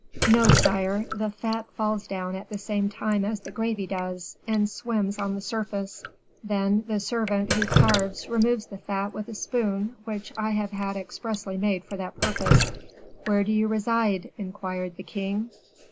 "No, sire, the fat falls down at the same time as the gravy does, and swims on the surface; then the servant who carves removes the fat with a spoon, which I have had expressly made for that purpose." "Where do you reside?" inquired the king.